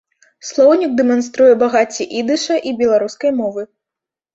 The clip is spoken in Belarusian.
Слоўнік дэманструе багацце ідыша і беларускай мовы.